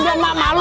jangan malu kamu